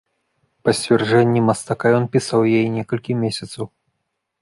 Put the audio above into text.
Па сцвярджэнні мастака, ён пісаў яе некалькі месяцаў.